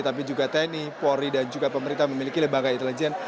tapi juga tni polri dan juga pemerintah memiliki lembaga intelijen